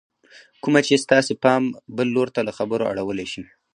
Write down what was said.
کومه چې ستاسې پام بل لور ته له خبرو اړولی شي